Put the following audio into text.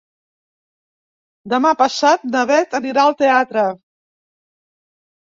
Demà passat na Bet anirà al teatre.